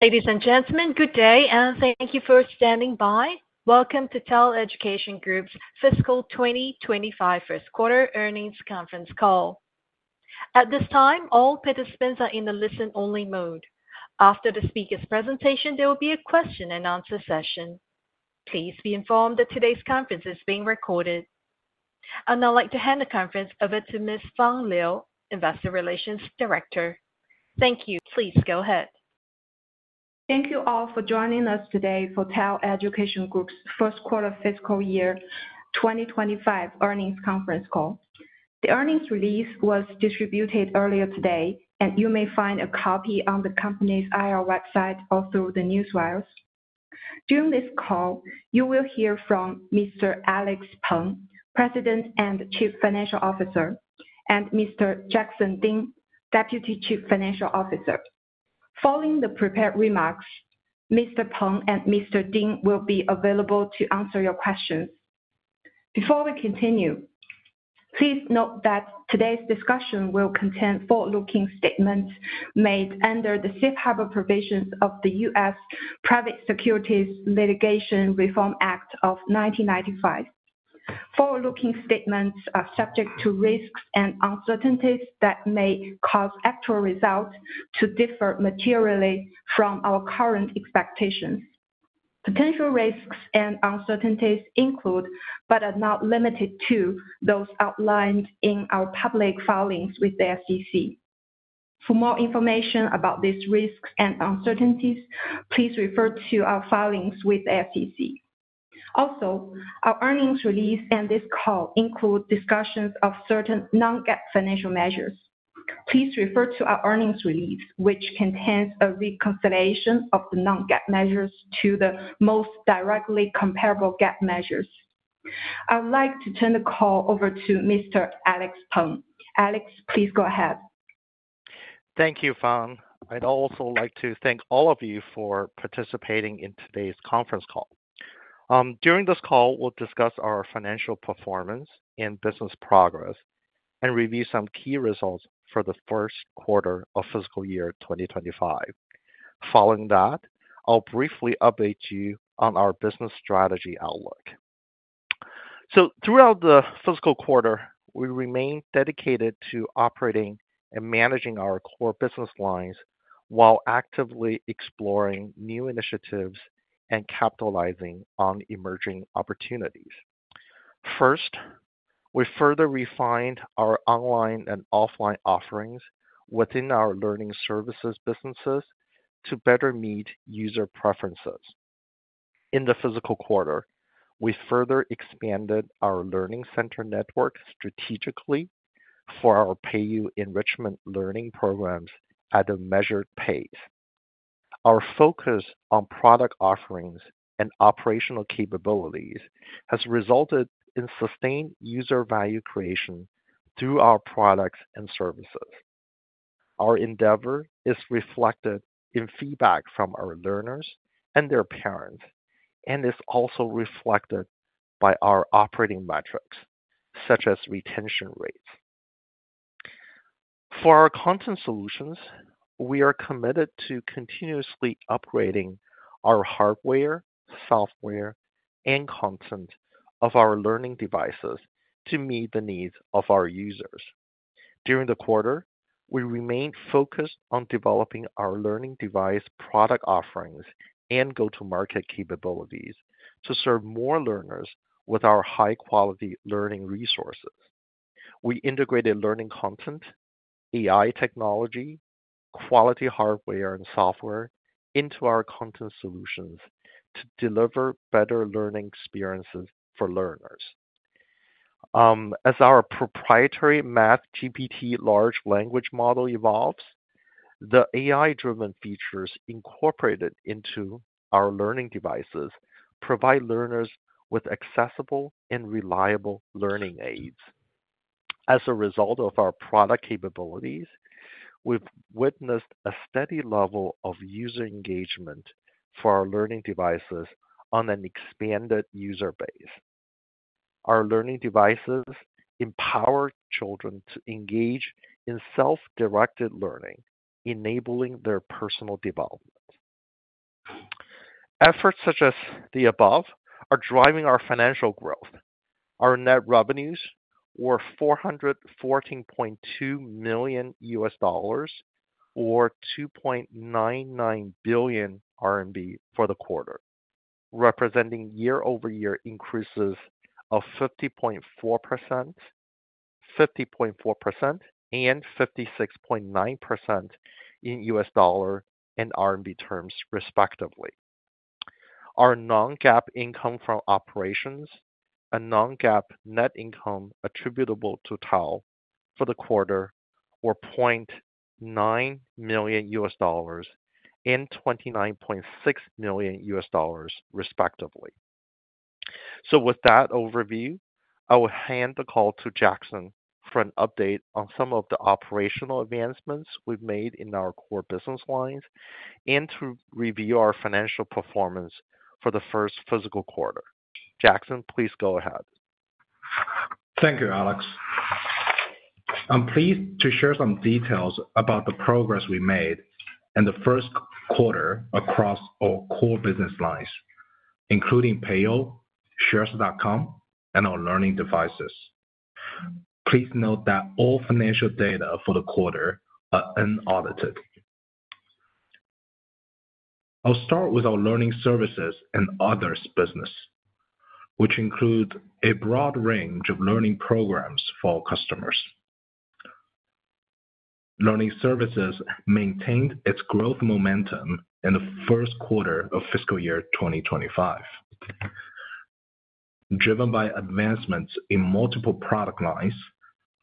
Ladies and gentlemen, good day, and thank you for standing by. Welcome to TAL Education Group's Fiscal 2025 First Quarter Earnings Conference Call. At this time, all participants are in the listen-only mode. After the speaker's presentation, there will be a question-and-answer session. Please be informed that today's conference is being recorded. I'd like to hand the conference over to Ms. Fang Liu, Investor Relations Director. Thank you. Please go ahead. Thank you all for joining us today for TAL Education Group's First Quarter Fiscal Year 2025 Earnings Conference Call. The earnings release was distributed earlier today, and you may find a copy on the company's IR website or through the news wires. During this call, you will hear from Mr. Alex Peng, President and Chief Financial Officer, and Mr. Jackson Ding, Deputy Chief Financial Officer. Following the prepared remarks, Mr. Peng and Mr. Ding will be available to answer your questions. Before we continue, please note that today's discussion will contain forward-looking statements made under the safe harbor provisions of the U.S. Private Securities Litigation Reform Act of 1995. Forward-looking statements are subject to risks and uncertainties that may cause actual results to differ materially from our current expectations. Potential risks and uncertainties include, but are not limited to, those outlined in our public filings with the SEC. For more information about these risks and uncertainties, please refer to our filings with the SEC. Also, our earnings release and this call include discussions of certain non-GAAP financial measures. Please refer to our earnings release, which contains a reconciliation of the non-GAAP measures to the most directly comparable GAAP measures. I'd like to turn the call over to Mr. Alex Peng. Alex, please go ahead. Thank you, Fang. I'd also like to thank all of you for participating in today's conference call. During this call, we'll discuss our financial performance and business progress and review some key results for the first quarter of fiscal year 2025. Following that, I'll briefly update you on our business strategy outlook. So, throughout the fiscal quarter, we remain dedicated to operating and managing our core business lines while actively exploring new initiatives and capitalizing on emerging opportunities. First, we further refined our online and offline offerings within our learning services businesses to better meet user preferences. In the fiscal quarter, we further expanded our learning center network strategically for our Peiyou enrichment learning programs at a measured pace. Our focus on product offerings and operational capabilities has resulted in sustained user value creation through our products and services. Our endeavor is reflected in feedback from our learners and their parent, and is also reflected by our operating metrics, such as retention rates. For our content solutions, we are committed to continuously upgrading our hardware, software, and content of our learning devices to meet the needs of our users. During the quarter, we remained focused on developing our learning device product offerings and go-to-market capabilities to serve more learners with our high-quality learning resources. We integrated learning content, AI technology, quality hardware, and software into our content solutions to deliver better learning experiences for learners. As our proprietary MathGPT large language model evolves, the AI-driven features incorporated into our learning devices provide learners with accessible and reliable learning aids. As a result of our product capabilities, we've witnessed a steady level of user engagement for our learning devices on an expanded user base. Our learning devices empower children to engage in self-directed learning, enabling their personal development. Efforts such as the above are driving our financial growth. Our net revenues were $414.2 million or 2.99 billion RMB for the quarter, representing year-over-year increases of 50.4%, 50.4%, and 56.9% in U.S. dollar and RMB terms, respectively. Our non-GAAP income from operations and non-GAAP net income attributable to TAL for the quarter were $0.9 million and $29.6 million, respectively. So, with that overview, I will hand the call to Jackson for an update on some of the operational advancements we've made in our core business lines and to review our financial performance for the first fiscal quarter. Jackson, please go ahead. Thank you, Alex. I'm pleased to share some details about the progress we made in the first quarter across our core business lines, including Peiyou, Xueersi.com, and our learning devices. Please note that all financial data for the quarter are unaudited. I'll start with our learning services and others business, which include a broad range of learning programs for our customers. Learning services maintained its growth momentum in the first quarter of fiscal year 2025. Driven by advancements in multiple product lines,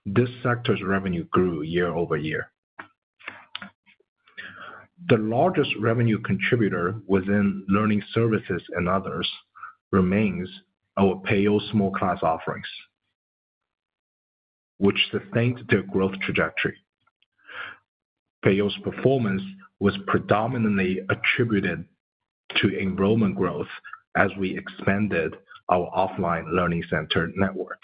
this sector's revenue grew year-over-year. The largest revenue contributor within learning services and others remains our Peiyou small class offerings, which sustained their growth trajectory. Peiyou's performance was predominantly attributed to enrollment growth as we expanded our offline learning center network.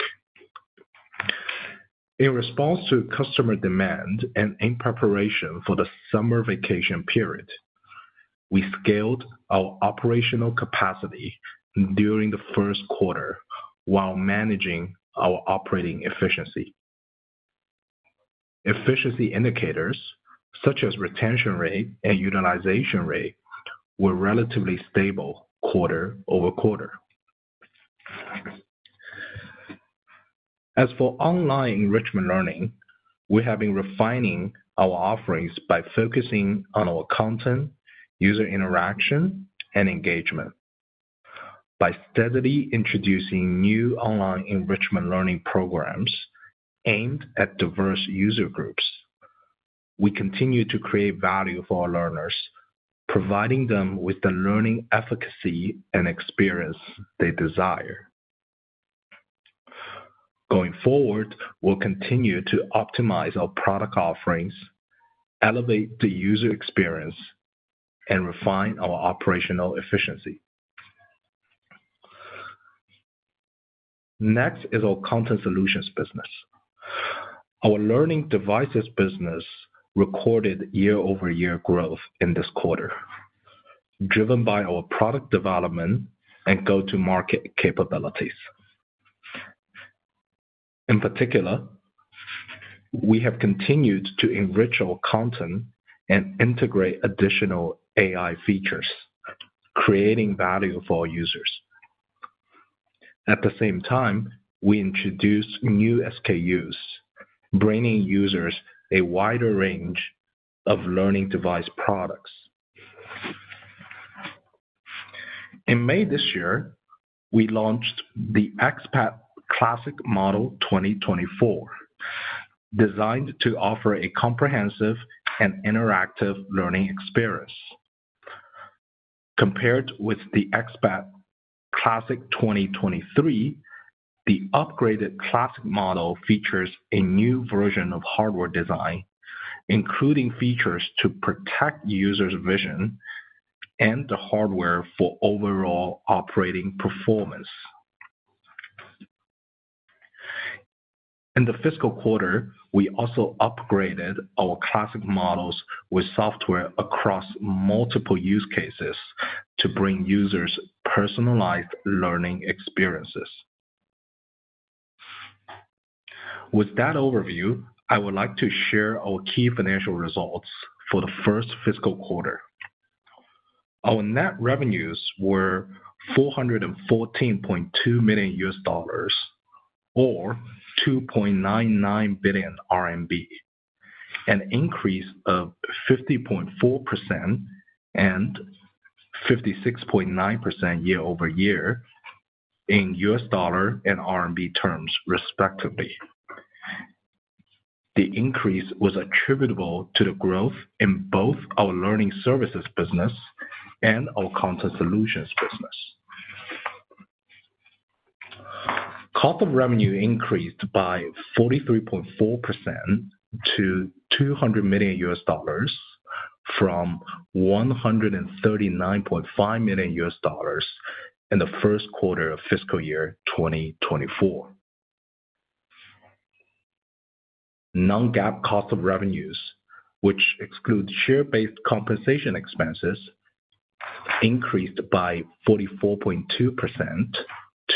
In response to customer demand and in preparation for the summer vacation period, we scaled our operational capacity during the first quarter while managing our operating efficiency. Efficiency indicators, such as retention rate and utilization rate, were relatively stable quarter-over-quarter. As for online enrichment learning, we have been refining our offerings by focusing on our content, user interaction, and engagement. By steadily introducing new online enrichment learning programs aimed at diverse user groups, we continue to create value for our learners, providing them with the learning efficacy and experience they desire. Going forward, we'll continue to optimize our product offerings, elevate the user experience, and refine our operational efficiency. Next is our content solutions business. Our learning devices business recorded year-over-year growth in this quarter, driven by our product development and go-to-market capabilities. In particular, we have continued to enrich our content and integrate additional AI features, creating value for our users. At the same time, we introduced new SKUs, bringing users a wider range of learning device products. In May this year, we launched the xPad Classic Model 2024, designed to offer a comprehensive and interactive learning experience. Compared with the xPad Classic 2023, the upgraded Classic Model features a new version of hardware design, including features to protect users' vision and the hardware for overall operating performance. In the fiscal quarter, we also upgraded our Classic Models with software across multiple use cases to bring users personalized learning experiences. With that overview, I would like to share our key financial results for the first fiscal quarter. Our net revenues were $414.2 million or RMB 2.99 billion, an increase of 50.4% and 56.9% year-over-year in U.S. dollar and RMB terms, respectively. The increase was attributable to the growth in both our learning services business and our content solutions business. Cost of revenue increased by 43.4% to $200 million from $139.5 million in the first quarter of fiscal year 2024. Non-GAAP cost of revenues, which excludes share-based compensation expenses, increased by 44.2%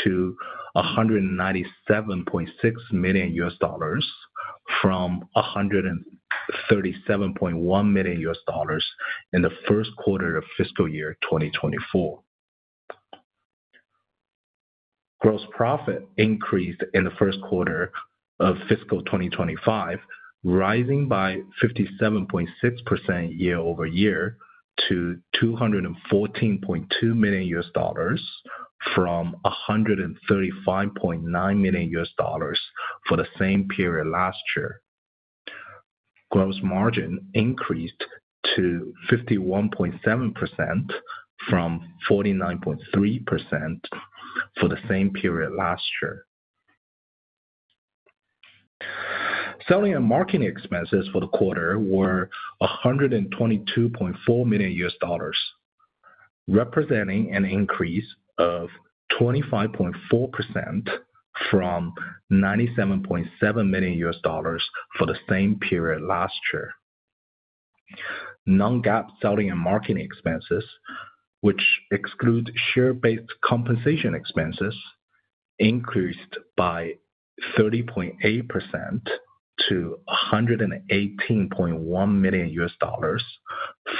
to $197.6 million from $137.1 million in the first quarter of fiscal year 2024. Gross profit increased in the first quarter of fiscal 2025, rising by 57.6% year-over-year to $214.2 million from $135.9 million for the same period last year. Gross margin increased to 51.7% from 49.3% for the same period last year. Selling and marketing expenses for the quarter were $122.4 million, representing an increase of 25.4% from $97.7 million for the same period last year. Non-GAAP selling and marketing expenses, which excludes share-based compensation expenses, increased by 30.8% to $118.1 million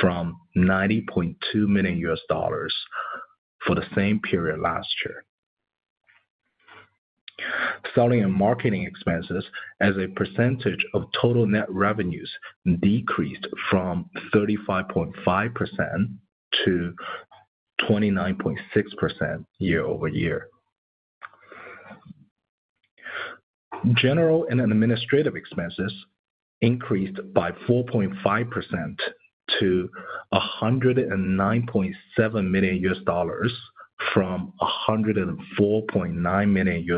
from $90.2 million for the same period last year. Selling and marketing expenses, as a percentage of total net revenues, decreased from 35.5% to 29.6% year-over-year. General and administrative expenses increased by 4.5% to $109.7 million from $104.9 million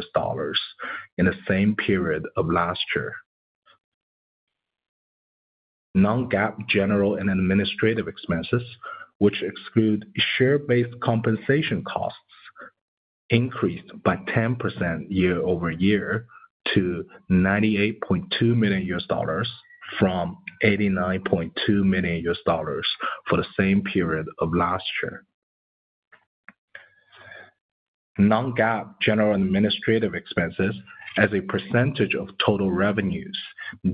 in the same period of last year. Non-GAAP general and administrative expenses, which exclude share-based compensation costs, increased by 10% year-over-year to $98.2 million from $89.2 million for the same period of last year. Non-GAAP general and administrative expenses, as a percentage of total revenues,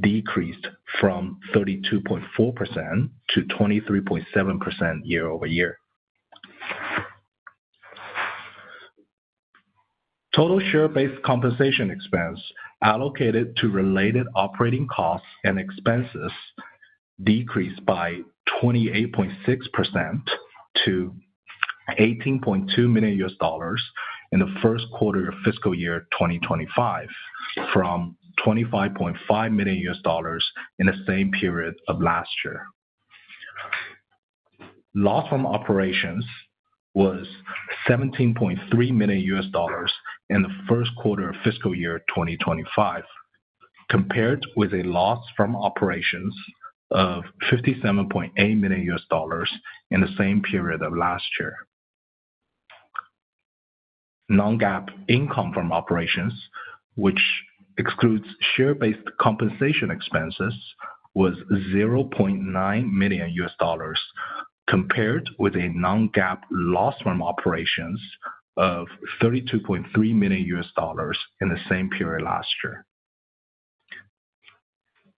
decreased from 32.4% to 23.7% year-over-year. Total share-based compensation expense allocated to related operating costs and expenses decreased by 28.6% to $18.2 million in the first quarter of fiscal year 2025 from $25.5 million in the same period of last year. Loss from operations was $17.3 million in the first quarter of fiscal year 2025, compared with a loss from operations of $57.8 million in the same period of last year. Non-GAAP income from operations, which excludes share-based compensation expenses, was $0.9 million, compared with a non-GAAP loss from operations of $32.3 million in the same period last year.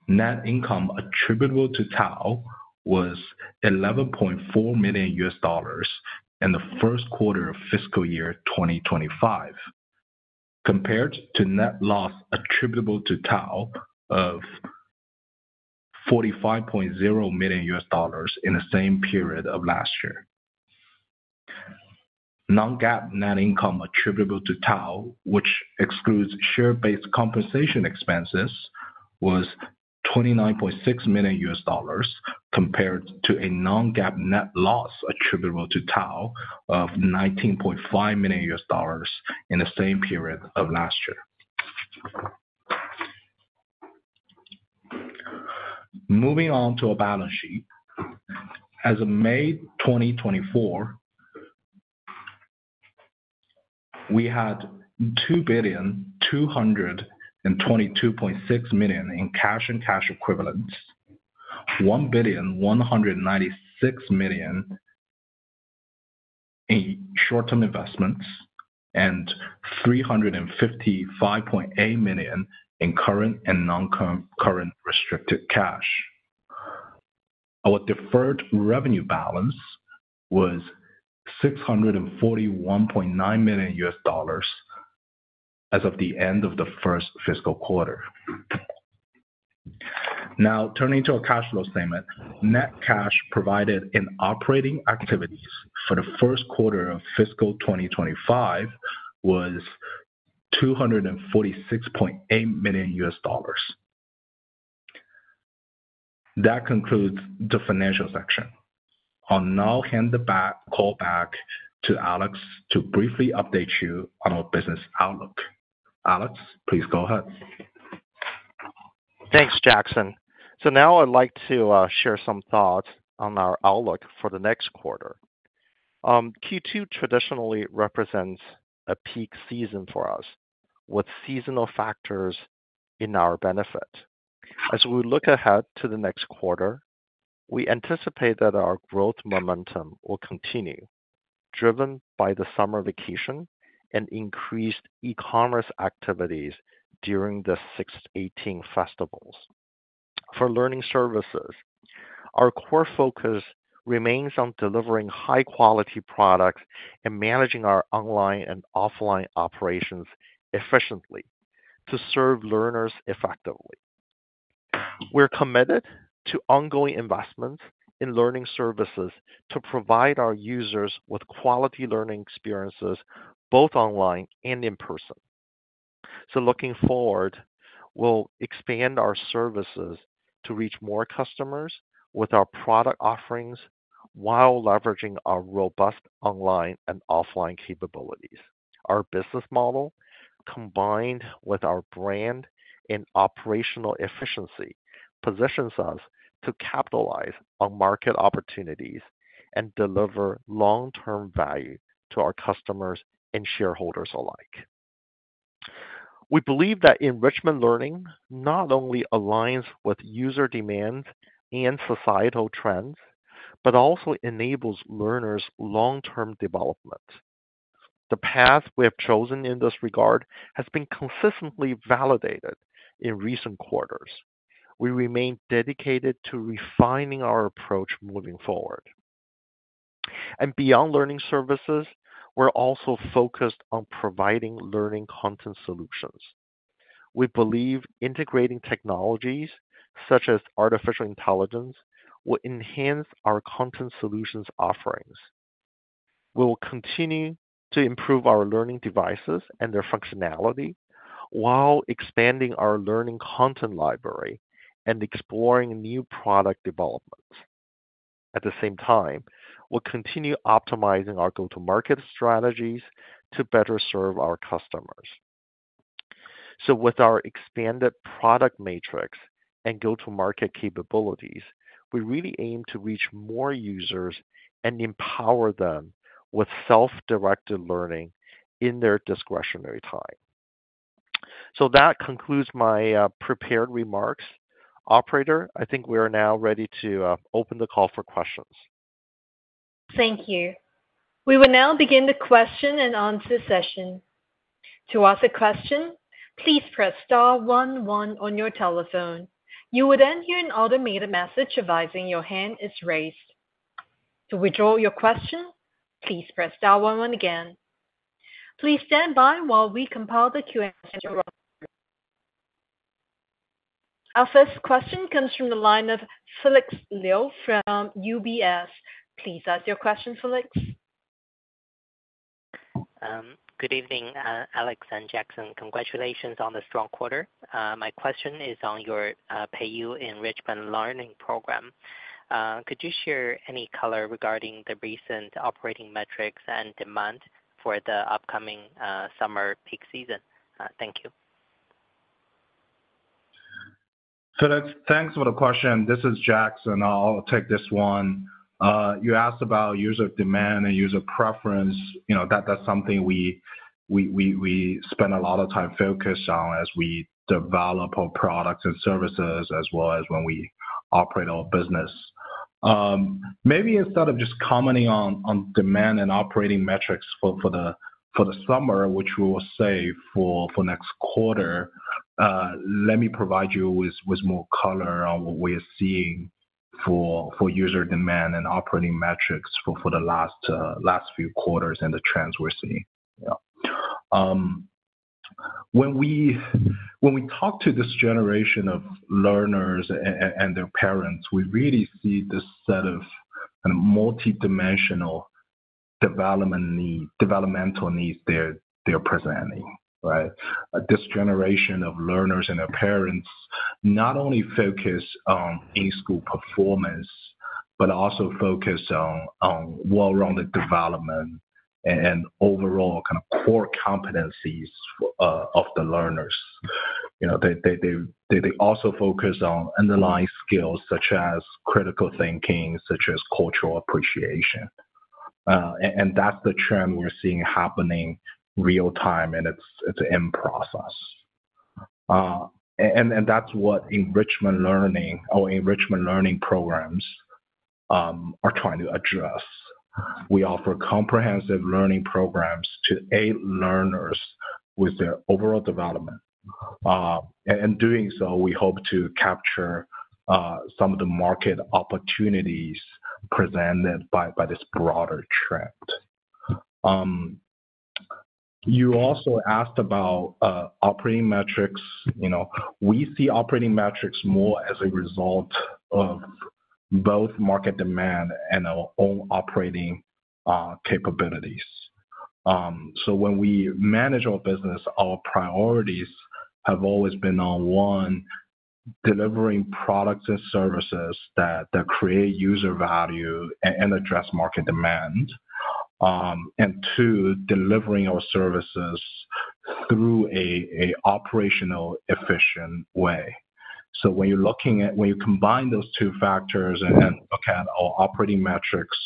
Net income attributable to TAL was $11.4 million in the first quarter of fiscal year 2025, compared to net loss attributable to TAL of $45.0 million in the same period of last year. Non-GAAP net income attributable to TAL, which excludes share-based compensation expenses, was $29.6 million, compared to a non-GAAP net loss attributable to TAL of $19.5 million in the same period last year. Moving on to our balance sheet, as of May 2024, we had $2,222.6 million in cash and cash equivalents, $1,196 million in short-term investments, and $355.8 million in current and non-current restricted cash. Our deferred revenue balance was $641.9 million as of the end of the first fiscal quarter. Now, turning to our cash flow statement, net cash provided in operating activities for the first quarter of fiscal 2025 was $246.8 million. That concludes the financial section. I'll now hand the call back to Alex to briefly update you on our business outlook. Alex, please go ahead. Thanks, Jackson. So now I'd like to share some thoughts on our outlook for the next quarter. Q2 traditionally represents a peak season for us, with seasonal factors in our benefit. As we look ahead to the next quarter, we anticipate that our growth momentum will continue, driven by the summer vacation and increased e-commerce activities during the 6/18 festivals. For learning services, our core focus remains on delivering high-quality products and managing our online and offline operations efficiently to serve learners effectively. We're committed to ongoing investments in learning services to provide our users with quality learning experiences both online and in person. So looking forward, we'll expand our services to reach more customers with our product offerings while leveraging our robust online and offline capabilities. Our business model, combined with our brand and operational efficiency, positions us to capitalize on market opportunities and deliver long-term value to our customers and shareholders alike. We believe that enrichment learning not only aligns with user demands and societal trends, but also enables learners' long-term development. The path we have chosen in this regard has been consistently validated in recent quarters. We remain dedicated to refining our approach moving forward. Beyond learning services, we're also focused on providing learning content solutions. We believe integrating technologies such as artificial intelligence will enhance our content solutions offerings. We will continue to improve our learning devices and their functionality while expanding our learning content library and exploring new product developments. At the same time, we'll continue optimizing our go-to-market strategies to better serve our customers. So with our expanded product matrix and go-to-market capabilities, we really aim to reach more users and empower them with self-directed learning in their discretionary time. So that concludes my prepared remarks. Operator, I think we are now ready to open the call for questions. Thank you. We will now begin the question and answer session. To ask a question, please press star one one on your telephone. You will then hear an automated message advising your hand is raised. To withdraw your question, please press star one one again. Please stand by while we compile the Q&A. Our first question comes from the line of Felix Liu from UBS. Please ask your question, Felix. Good evening, Alex and Jackson. Congratulations on the strong quarter. My question is on your Peiyou Enrichment Learning Program. Could you share any color regarding the recent operating metrics and demand for the upcoming summer peak season? Thank you. Felix, thanks for the question. This is Jackson. I'll take this one. You asked about user demand and user preference. That's something we spend a lot of time focused on as we develop our products and services, as well as when we operate our business. Maybe instead of just commenting on demand and operating metrics for the summer, which we will save for next quarter, let me provide you with more color on what we are seeing for user demand and operating metrics for the last few quarters and the trends we're seeing. When we talk to this generation of learners and their parents, we really see this set of multidimensional developmental needs they're presenting, right? This generation of learners and their parents not only focus on in-school performance, but also focus on well-rounded development and overall kind of core competencies of the learners. They also focus on underlying skills such as critical thinking, such as cultural appreciation. That's the trend we're seeing happening real-time, and it's in process. That's what enrichment learning or enrichment learning programs are trying to address. We offer comprehensive learning programs to aid learners with their overall development. In doing so, we hope to capture some of the market opportunities presented by this broader trend. You also asked about operating metrics. We see operating metrics more as a result of both market demand and our own operating capabilities. When we manage our business, our priorities have always been on one, delivering products and services that create user value and address market demand, and two, delivering our services through an operationally efficient way. So when you're looking at when you combine those two factors and look at our operating metrics,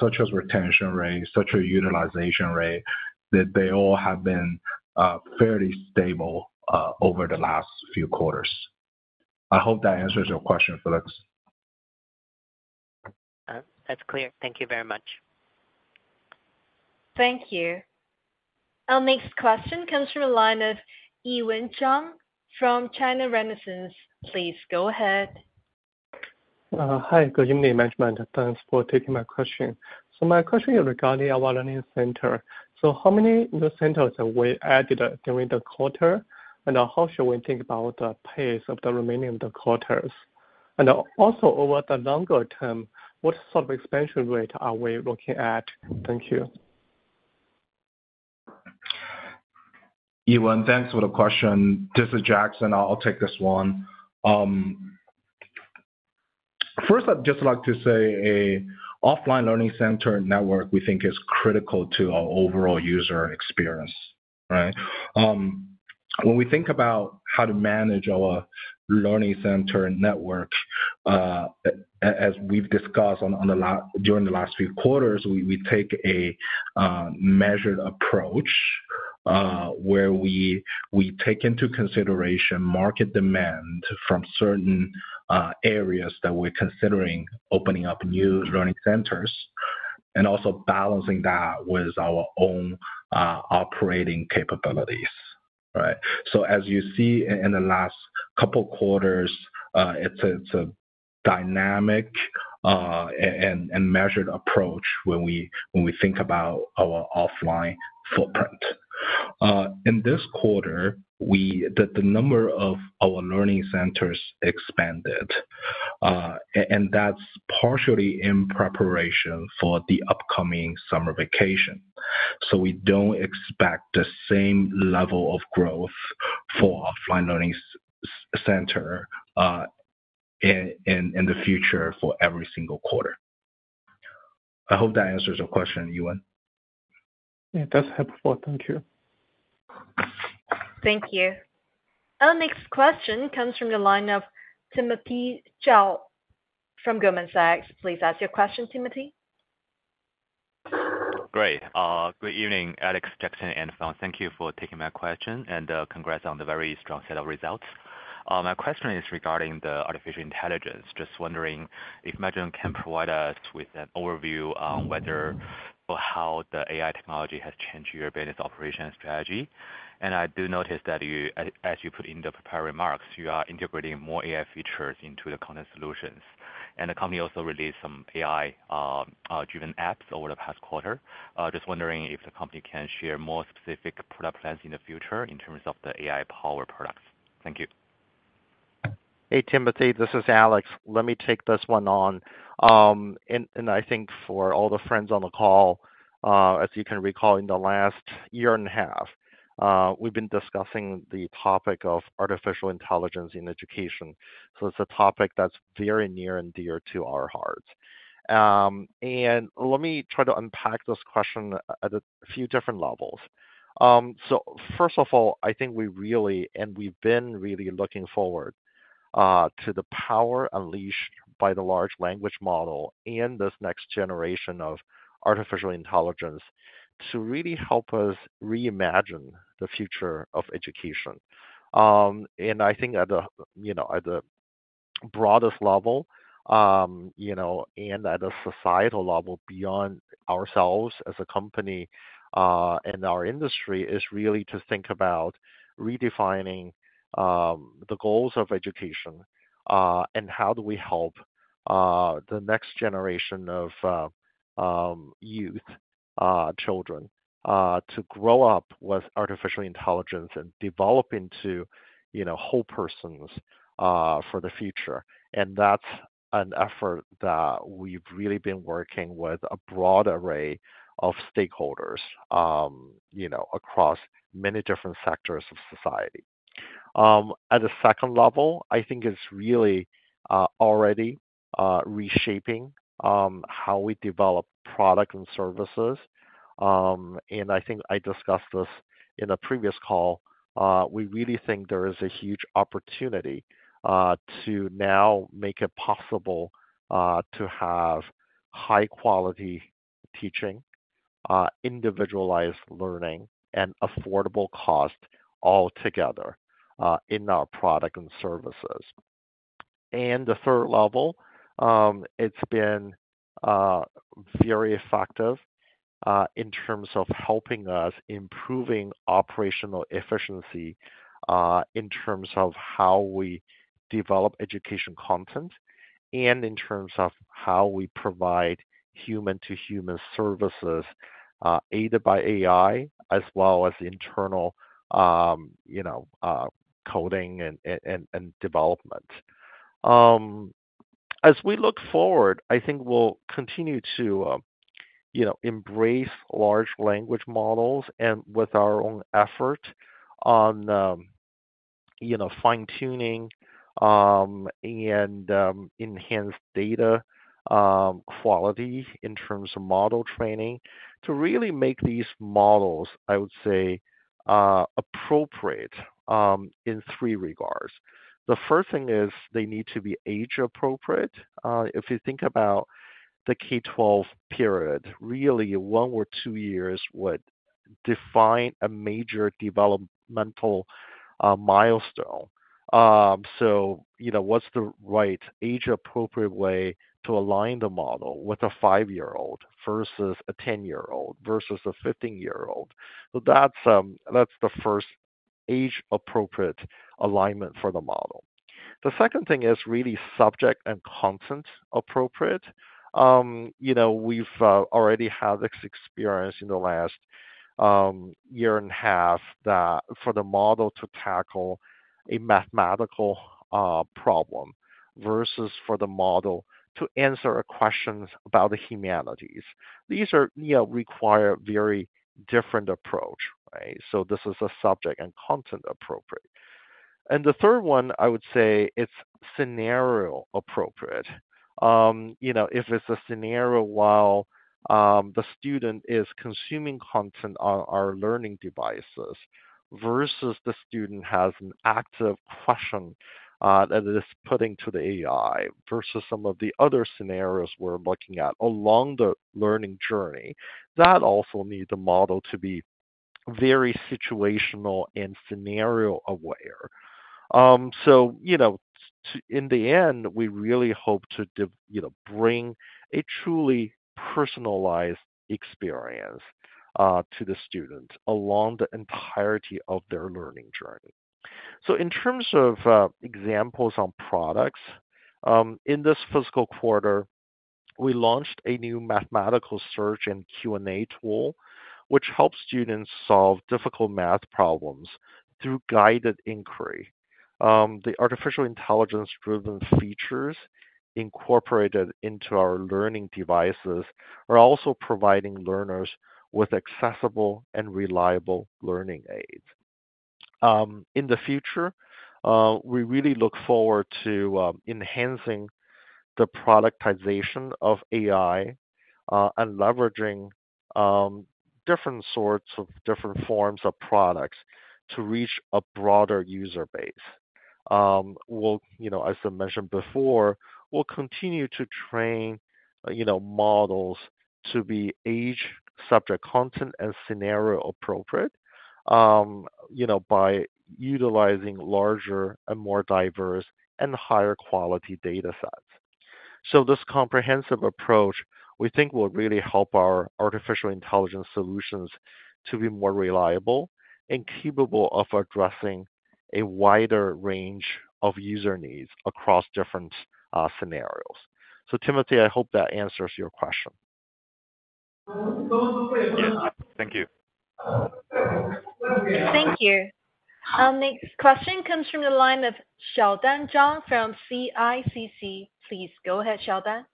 such as retention rate, such as utilization rate, they all have been fairly stable over the last few quarters. I hope that answers your question, Felix. That's clear. Thank you very much. Thank you. Our next question comes from a line of Yiwen Zhang from China Renaissance. Please go ahead. Hi, good evening, Management. Thanks for taking my question. My question is regarding our learning center. How many new centers have we added during the quarter? And how should we think about the pace of the remaining of the quarters? And also, over the longer term, what sort of expansion rate are we looking at? Thank you. Yiwen Zhang for the question. This is Jackson. I'll take this one. First, I'd just like to say an offline learning center network we think is critical to our overall user experience, right? When we think about how to manage our learning center network, as we've discussed during the last few quarters, we take a measured approach where we take into consideration market demand from certain areas that we're considering opening up new learning centers and also balancing that with our own operating capabilities, right? So as you see in the last couple of quarters, it's a dynamic and measured approach when we think about our offline footprint. In this quarter, the number of our learning centers expanded, and that's partially in preparation for the upcoming summer vacation. So we don't expect the same level of growth for offline learning centers in the future for every single quarter. I hope that answers your question, Yiwen. Yeah, that's helpful. Thank you. Thank you. Our next question comes from the line of Timothy Zhao from Goldman Sachs. Please ask your question, Timothy. Great. Good evening, Alex, Jackson, and Fang. Thank you for taking my question and congrats on the very strong set of results. My question is regarding the artificial intelligence. Just wondering if management can provide us with an overview on whether or how the AI technology has changed your business operation strategy. I do notice that as you put in the prepared remarks, you are integrating more AI features into the content solutions. The company also released some AI-driven apps over the past quarter. Just wondering if the company can share more specific product plans in the future in terms of the AI-powered products. Thank you. Hey, Timothy, this is Alex. Let me take this one on. And I think for all the friends on the call, as you can recall, in the last year and a half, we've been discussing the topic of artificial intelligence in education. So it's a topic that's very near and dear to our hearts. And let me try to unpack this question at a few different levels. So first of all, I think we really and we've been really looking forward to the power unleashed by the large language model and this next generation of artificial intelligence to really help us reimagine the future of education. I think at the broadest level and at a societal level beyond ourselves as a company and our industry, it's really to think about redefining the goals of education and how do we help the next generation of youth, children, to grow up with artificial intelligence and develop into whole persons for the future. That's an effort that we've really been working with a broad array of stakeholders across many different sectors of society. At a second level, I think it's really already reshaping how we develop products and services. I think I discussed this in a previous call. We really think there is a huge opportunity to now make it possible to have high-quality teaching, individualized learning, and affordable cost altogether in our product and services. And the third level, it's been very effective in terms of helping us improve operational efficiency in terms of how we develop education content and in terms of how we provide human-to-human services aided by AI, as well as internal coding and development. As we look forward, I think we'll continue to embrace large language models and with our own effort on fine-tuning and enhanced data quality in terms of model training to really make these models, I would say, appropriate in three regards. The first thing is they need to be age-appropriate. If you think about the K-12 period, really one or two years would define a major developmental milestone. So what's the right age-appropriate way to align the model with a 5-year-old versus a 10-year-old versus a 15-year-old? So that's the first age-appropriate alignment for the model. The second thing is really subject and content appropriate. We've already had this experience in the last year and a half that for the model to tackle a mathematical problem versus for the model to answer a question about the humanities, these require a very different approach, right? So this is a subject and content appropriate. And the third one, I would say, it's scenario appropriate. If it's a scenario while the student is consuming content on our learning devices versus the student has an active question that is put into the AI versus some of the other scenarios we're looking at along the learning journey, that also needs a model to be very situational and scenario aware. So in the end, we really hope to bring a truly personalized experience to the students along the entirety of their learning journey. So in terms of examples on products, in this fiscal quarter, we launched a new mathematical search and Q&A tool, which helps students solve difficult math problems through guided inquiry. The artificial intelligence-driven features incorporated into our learning devices are also providing learners with accessible and reliable learning aids. In the future, we really look forward to enhancing the productization of AI and leveraging different sorts of different forms of products to reach a broader user base. As I mentioned before, we'll continue to train models to be age-subject content and scenario appropriate by utilizing larger and more diverse and higher quality data sets. So this comprehensive approach, we think, will really help our artificial intelligence solutions to be more reliable and capable of addressing a wider range of user needs across different scenarios. So Timothy, I hope that answers your question. Thank you. Thank you. Our next question comes from the line of Xiaodan Zhang from CICC. Please go ahead, Xiaodan.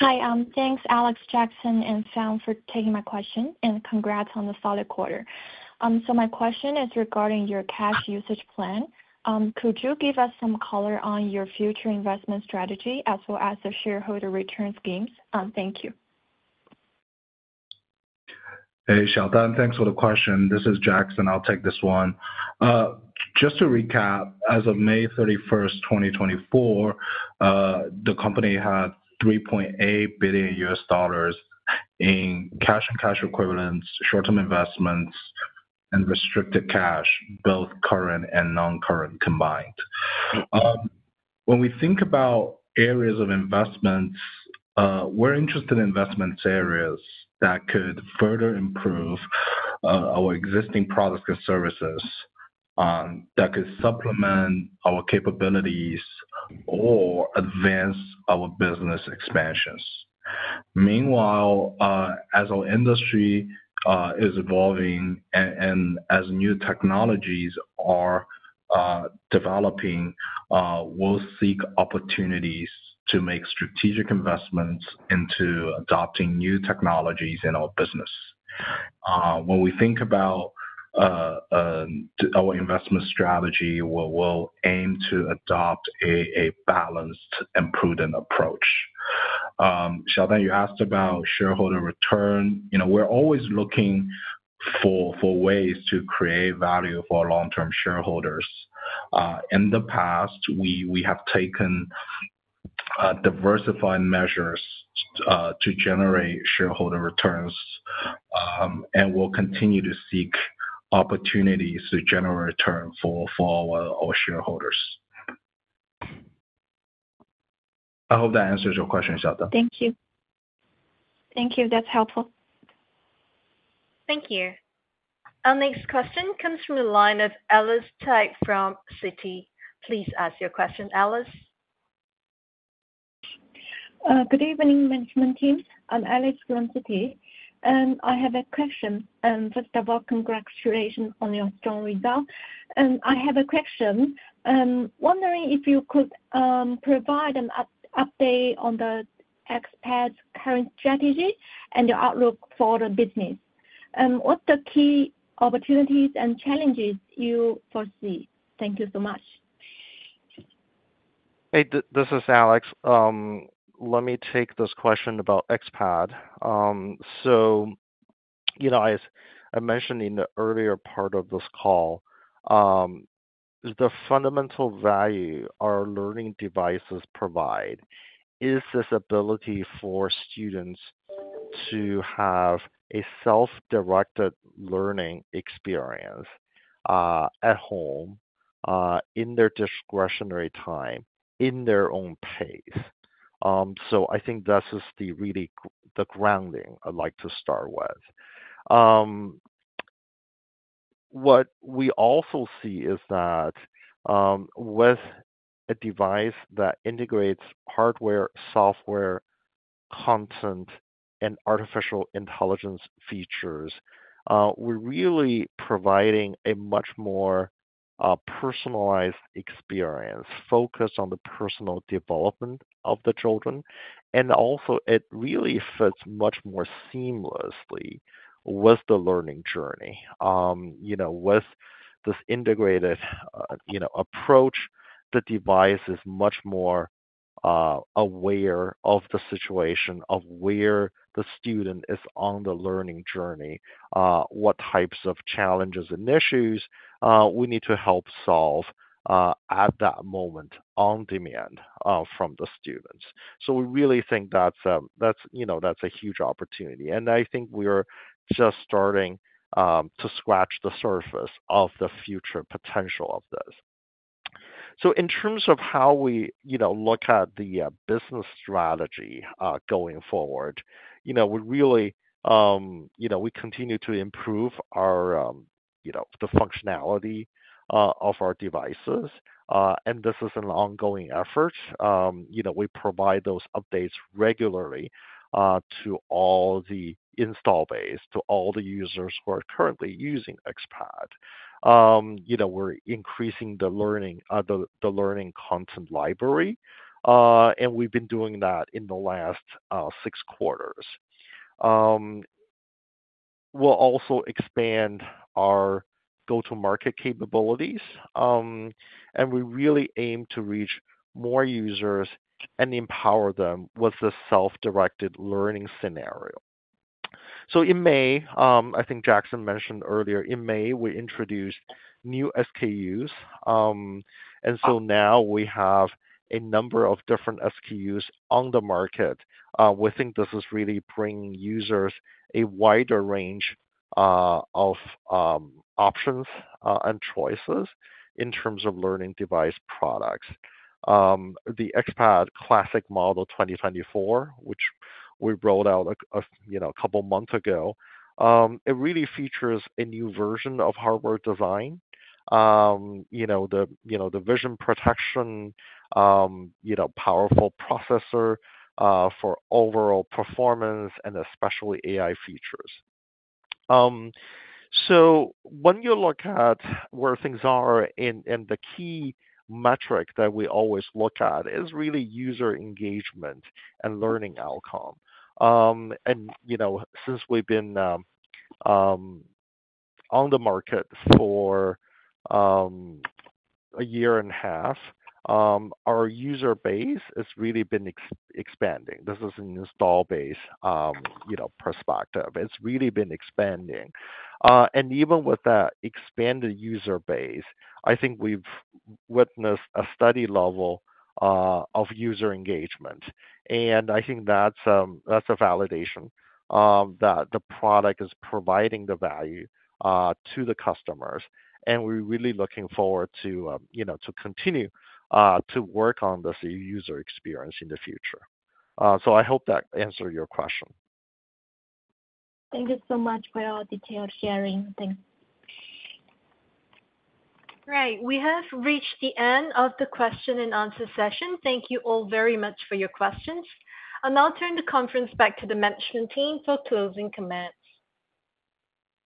Hi. Thanks, Alex, Jackson, and Fang for taking my question, and congrats on the solid quarter. So my question is regarding your cash usage plan. Could you give us some color on your future investment strategy as well as the shareholder return schemes? Thank you. Hey, Xiaodan. Thanks for the question. This is Jackson. I'll take this one. Just to recap, as of May 31st, 2024, the company had $3.8 billion in cash and cash equivalents, short-term investments, and restricted cash, both current and non-current combined. When we think about areas of investments, we're interested in investment areas that could further improve our existing products and services, that could supplement our capabilities, or advance our business expansions. Meanwhile, as our industry is evolving and as new technologies are developing, we'll seek opportunities to make strategic investments into adopting new technologies in our business. When we think about our investment strategy, we'll aim to adopt a balanced and prudent approach. Xiaodan, you asked about shareholder return. We're always looking for ways to create value for long-term shareholders. In the past, we have taken diversified measures to generate shareholder returns, and we'll continue to seek opportunities to generate returns for our shareholders. I hope that answers your question, Xiaodan. Thank you. Thank you. That's helpful. Thank you. Our next question comes from the line of Alice Cai from Citi. Please ask your question, Alice. Good evening, Management Team. I'm Alice from Citi. I have a question. First of all, congratulations on your strong result. I have a question. I'm wondering if you could provide an update on the xPad's current strategy and the outlook for the business. What are the key opportunities and challenges you foresee? Thank you so much. Hey, this is Alex. Let me take this question about xPad. So as I mentioned in the earlier part of this call, the fundamental value our learning devices provide is this ability for students to have a self-directed learning experience at home, in their discretionary time, in their own pace. So I think this is really the grounding I'd like to start with. What we also see is that with a device that integrates hardware, software, content, and artificial intelligence features, we're really providing a much more personalized experience focused on the personal development of the children. And also, it really fits much more seamlessly with the learning journey. With this integrated approach, the device is much more aware of the situation of where the student is on the learning journey, what types of challenges and issues we need to help solve at that moment on demand from the students. So we really think that's a huge opportunity. And I think we're just starting to scratch the surface of the future potential of this. So in terms of how we look at the business strategy going forward, we really continue to improve the functionality of our devices. And this is an ongoing effort. We provide those updates regularly to all the install base, to all the users who are currently using xPad. We're increasing the learning content library, and we've been doing that in the last six quarters. We'll also expand our go-to-market capabilities. And we really aim to reach more users and empower them with the self-directed learning scenario. So in May, I think Jackson mentioned earlier, in May, we introduced new SKUs. And so now we have a number of different SKUs on the market. We think this is really bringing users a wider range of options and choices in terms of learning device products. The xPad Classic Model 2024, which we rolled out a couple of months ago, it really features a new version of hardware design, the vision protection, powerful processor for overall performance, and especially AI features. So when you look at where things are, and the key metric that we always look at is really user engagement and learning outcome. And since we've been on the market for a year and a half, our user base has really been expanding. This is an install base perspective. It's really been expanding. And even with that expanded user base, I think we've witnessed a steady level of user engagement. And I think that's a validation that the product is providing the value to the customers. We're really looking forward to continue to work on this user experience in the future. I hope that answered your question. Thank you so much for your detailed sharing. Thanks. All right. We have reached the end of the question and answer session. Thank you all very much for your questions. I'll turn the conference back to the Management Team for closing comments.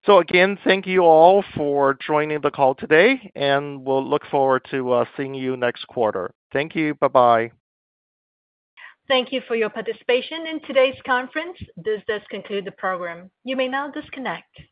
So again, thank you all for joining the call today. We'll look forward to seeing you next quarter. Thank you. Bye-bye. Thank you for your participation in today's conference. This does conclude the program. You may now disconnect.